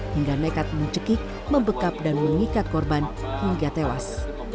hingga nekat mencekik membekap dan mengikat korban hingga tewas